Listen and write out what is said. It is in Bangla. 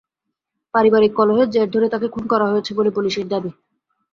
পারিবারিক কলহের জের ধরে তাঁকে খুন করা হয়েছে বলে পুলিশের দাবি।